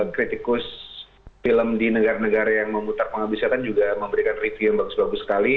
kritikus film di negara negara yang memutar penghabisan juga memberikan review yang bagus bagus sekali